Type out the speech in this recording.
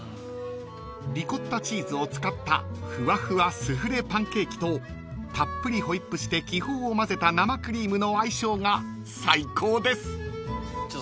［リコッタチーズを使ったフワフワスフレパンケーキとたっぷりホイップして気泡をまぜた生クリームの相性が最高です］